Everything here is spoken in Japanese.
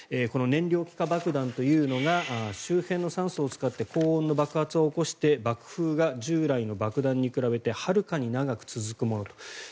この燃料気化爆弾というのは周辺の酸素を使って高温の爆発を起こして爆風が従来の爆弾に比べてはるかに長く続くものと。